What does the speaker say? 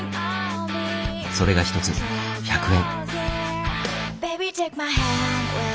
それが一つ１００円。